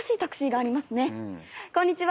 こんにちは。